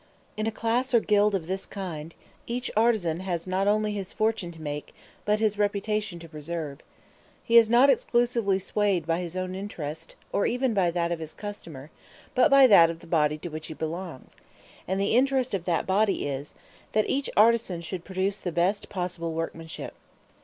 In a class or guild of this kind, each artisan has not only his fortune to make, but his reputation to preserve. He is not exclusively swayed by his own interest, or even by that of his customer, but by that of the body to which he belongs; and the interest of that body is, that each artisan should produce the best possible workmanship.